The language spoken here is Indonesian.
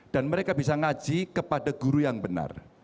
dan mereka bisa ngaji kepada guru yang benar